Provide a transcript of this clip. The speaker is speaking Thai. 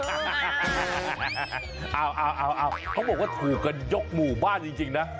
เอาเขาบอกว่าถูกกันยกหมู่บ้านจริงนะ